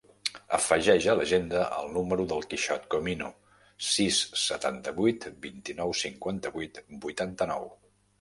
Afegeix a l'agenda el número del Quixot Comino: sis, setanta-vuit, vint-i-nou, cinquanta-vuit, vuitanta-nou.